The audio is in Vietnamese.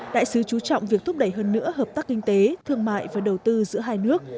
đại sứ chú trọng việc thúc đẩy hơn nữa hợp tác kinh tế thương mại và đầu tư giữa hai nước